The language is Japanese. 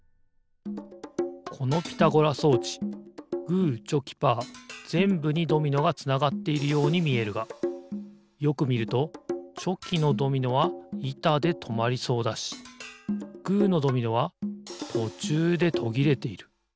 このピタゴラ装置グーチョキーパーぜんぶにドミノがつながっているようにみえるがよくみるとチョキのドミノはいたでとまりそうだしグーのドミノはとちゅうでとぎれている。